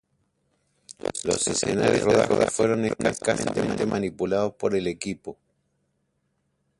Los escenarios de rodaje fueron escasamente manipulados por el equipo.